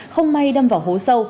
không may đâm vào hố sâu